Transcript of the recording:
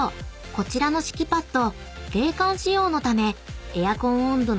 こちらの敷きパッド］